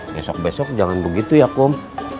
besok besok jangan begitu ya kom